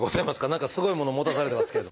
何かすごいものを持たされてますけど。